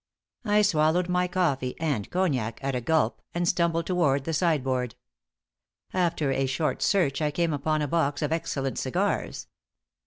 I swallowed my coffee and cognac at a gulp, and stumbled toward the sideboard. After a short search I came upon a box of excellent cigars.